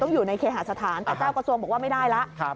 อยู่ในเคหาสถานแต่เจ้ากระทรวงบอกว่าไม่ได้แล้ว